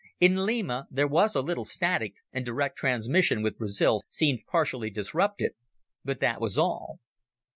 In Lima, there was a little static, and direct transmission with Brazil seemed partially disrupted, but that was all.